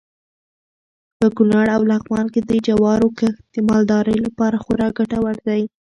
په کونړ او لغمان کې د جوارو کښت د مالدارۍ لپاره خورا ګټور دی.